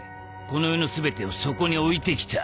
この世の全てをそこに置いてきた」